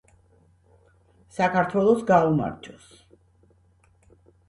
საქართველოს გაუმარჯოს